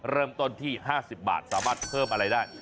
เริ่มต้นที่๕๐บาทสามารถเพิ่มอะไรได้